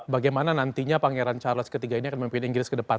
bagaimana nantinya pangeran charles iii ini akan memimpin inggris ke depan